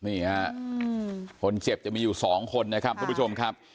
นี่ฮะคนเจ็บจะมีอยู่๒คนนะครับทุกผู้ชมครับ